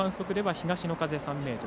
東の風３メートル。